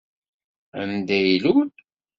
Anda ay ilul?